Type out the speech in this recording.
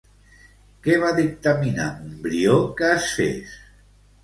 Què va dictaminar Montbrió que es fes?